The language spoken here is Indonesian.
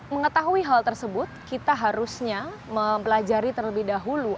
mengetahui hal tersebut kita harusnya mempelajari terlebih dahulu